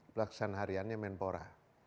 pelaksanaan hariannya menpora